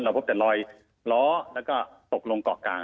พบแต่รอยล้อแล้วก็ตกลงเกาะกลาง